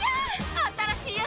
新しいやつ！